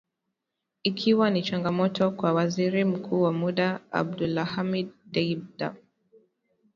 Ikiwa ni changamoto kwa Waziri Mkuu wa muda Abdulhamid Dbeibah